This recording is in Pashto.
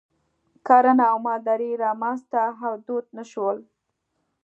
کرنه او مالداري رامنځته او دود نه شول.